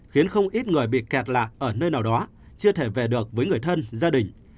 khiến không ít người bị kẹt lại ở nơi nào đó chưa thể về được với người thân gia đình